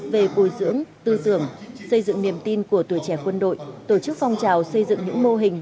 về bồi dưỡng tư tưởng xây dựng niềm tin của tuổi trẻ quân đội tổ chức phong trào xây dựng những mô hình